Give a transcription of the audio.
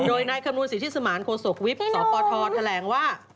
โดยนายคำนวณสิทธิสมานโฆษกวิบสปทแถลงว่า